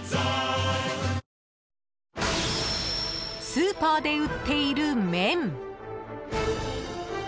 スーパーで売っている麺。